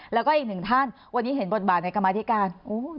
แล้วก็อีกหนึ่งท่านวันนี้เห็นบทบาทในกรรมธิการ